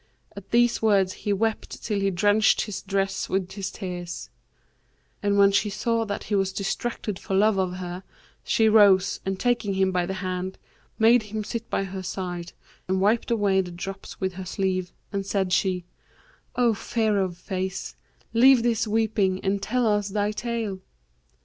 At these words he wept till he drenched his dress with his tears; and when she saw that he was distracted for love of her, she rose and taking him by the hand, made him sit by her side and wiped away the drops with her sleeve; and said she, 'O fair of face, leave this weeping and tell us thy tale.'